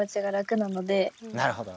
なるほど。